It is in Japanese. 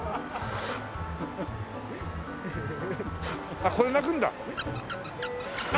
あっこれ鳴くんだ。